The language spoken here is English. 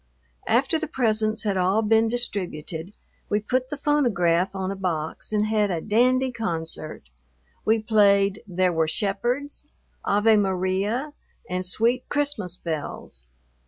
After the presents had all been distributed we put the phonograph on a box and had a dandy concert. We played "There were Shepherds," "Ave Maria," and "Sweet Christmas Bells."